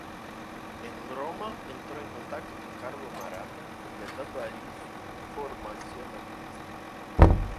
En Roma entró en contacto con Carlo Maratta, completando allí su formación artística.